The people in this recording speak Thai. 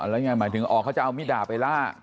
แล้วยังไงหมายถึงเขาจะเอามิดดาบไปลาก